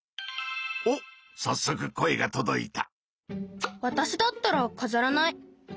おっさっそく声がとどいた。